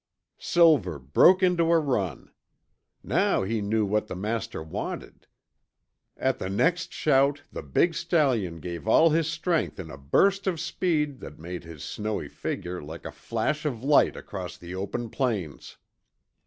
Silver broke into a run. Now he knew what the master wanted. At the next shout, the big stallion gave all his strength in a burst of speed that made his snowy figure like a flash of light across the open plains.